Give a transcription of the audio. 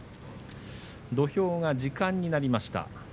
土俵が時間になりました。